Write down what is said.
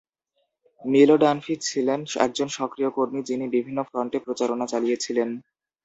মিলো ডানফি ছিলেন একজন সক্রিয় কর্মী যিনি বিভিন্ন ফ্রন্টে প্রচারণা চালিয়েছিলেন।